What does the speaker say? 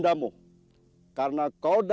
jaa ya barangkala